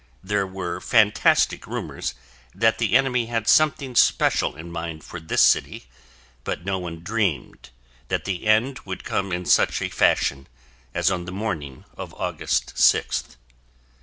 There were fantastic rumors that the enemy had something special in mind for this city, but no one dreamed that the end would come in such a fashion as on the morning of August 6th.